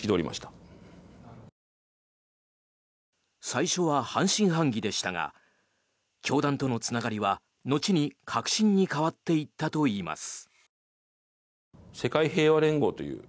最初は半信半疑でしたが教団とのつながりは後に確信に変わっていったといいます。